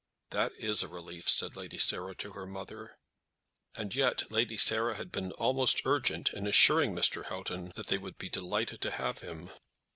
"That is a relief," said Lady Sarah to her mother; and yet Lady Sarah had been almost urgent in assuring Mr. Houghton that they would be delighted to have him.